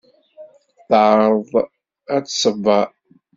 Teεreḍ ad t-tṣebber.